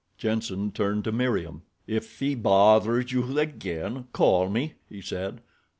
Jenssen turned to Meriem. "If he bothers you again, call me," he said.